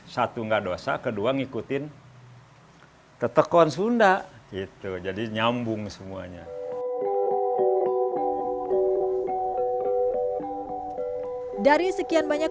satu enggak dosa kedua ngikutin tetekon sunda gitu jadi nyambung semuanya dari sekian banyak